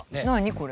これ。